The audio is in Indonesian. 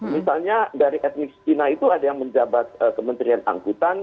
misalnya dari etnis cina itu ada yang menjabat kementerian angkutan